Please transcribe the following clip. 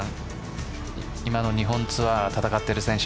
佐藤さん、今の日本ツアーを戦っている選手。